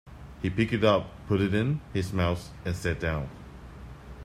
He picked it up, put it in his mouth, and sat down.